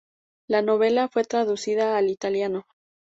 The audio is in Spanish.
La novela fue traducida al italiano.